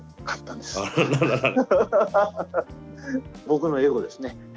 僕のエゴですね。